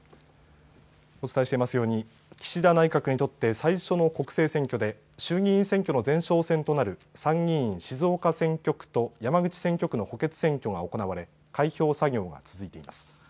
お伝えしていますように岸田内閣にとって最初の国政選挙で衆議院選挙の前哨戦となる参議院静岡選挙区と山口選挙区の補欠選挙が行われ開票作業が続いています。